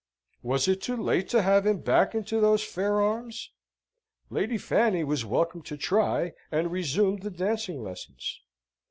Was it too late to have him back into those fair arms? Lady Fanny was welcome to try, and resumed the dancing lessons.